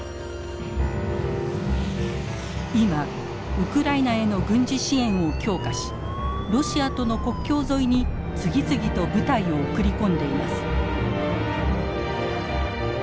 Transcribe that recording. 今ウクライナへの軍事支援を強化しロシアとの国境沿いに次々と部隊を送り込んでいます。